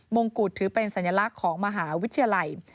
งกุฎถือเป็นสัญลักษณ์ของมหาวิทยาลัย